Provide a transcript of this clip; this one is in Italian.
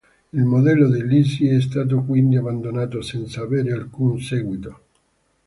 Il modello di Lisi è stato quindi abbandonato senza avere alcun seguito.